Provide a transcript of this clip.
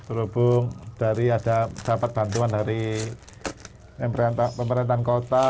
berhubung dari ada dapat bantuan dari pemerintahan kota